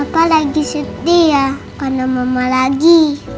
papa lagi sedih ya karena mama lagi